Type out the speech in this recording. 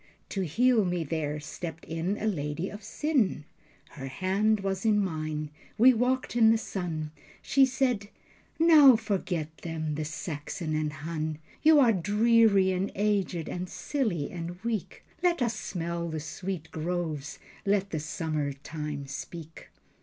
To heal me there stepped in a lady of sin. Her hand was in mine. We walked in the sun. She said: "Now forget them, the Saxon and Hun. You are dreary and aged and silly and weak. Let us smell the sweet groves. Let the summertime speak."